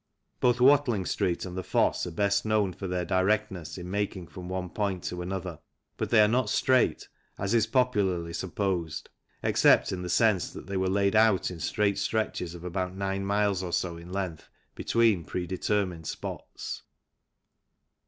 Both Watling Street and the Fosse are best known for their directness in making from one point to another, but they are not straight, as is popularly supposed, except in the sense that they were laid out in straight stretches of about nine miles or so in length between pre determined spots.